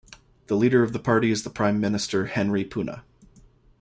The leader of the party is the Prime Minister Henry Puna.